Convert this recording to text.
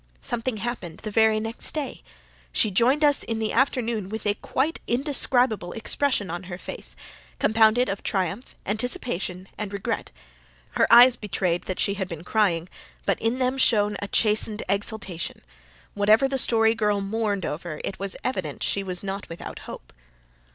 Something happened the very next day. She joined us in the afternoon with a quite indescribable expression on her face, compounded of triumph, anticipation, and regret. Her eyes betrayed that she had been crying, but in them shone a chastened exultation. Whatever the Story Girl mourned over it was evident she was not without hope.